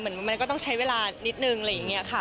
มันก็ต้องใช้เวลานิดนึงอะไรอย่างนี้ค่ะ